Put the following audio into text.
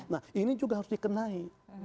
nah ini juga harus dikenai